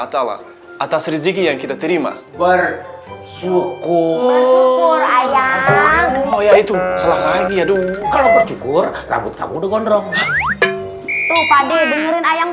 wa ta'ala atas rezeki yang kita terima bersyukur ayah itu kalau bercukur rambut kamu gondrong